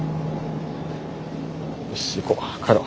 よし行こう帰ろう。